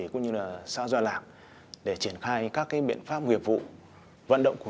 chúng tôi đã họp và cử